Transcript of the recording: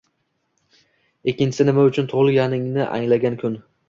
ikkinchisi nima uchun tug‘ilganingni anglagan kun».